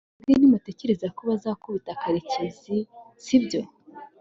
mwebwe ntimutekereza ko bazakubita karekezi, sibyo